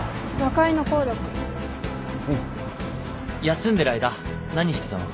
休んでる間何してたの？